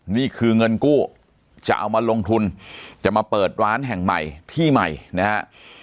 นี่คือเงินกู้จะเอามาลงทุนจะมาเปิดร้านแห่งใหม่ที่ใหม่นะฮะ